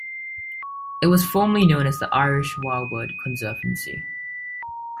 It was formerly known as the Irish Wildbird Conservancy.